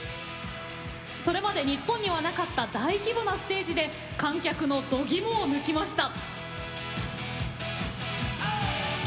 それまで日本にはなかった大規模なステージで観客のどぎもを抜きました。